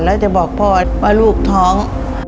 แล้วจะบอกพ่อว่าลูกท้อง